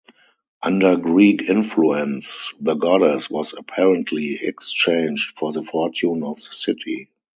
Under Greek influence, the goddess was apparently exchanged for the Fortune of the City.